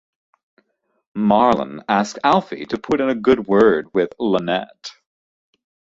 Marlon asks Alfie to put in a good word with Lonette.